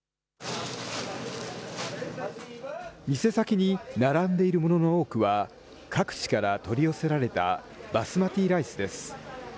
店先に並んでいるものの多くは、各地から取り寄せられたバスマティライスです。